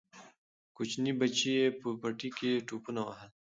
کوچني بچي یې په پټي کې ټوپونه وهل.